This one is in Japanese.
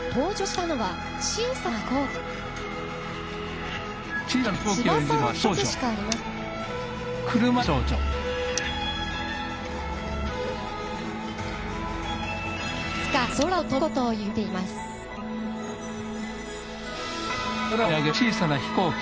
登場したのは小さな飛行機。